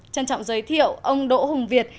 trân trọng giới thiệu ông đỗ hùng việt